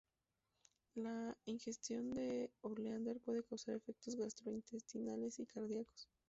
La ingestión de Oleander puede causar efectos gastrointestinales y cardíacos.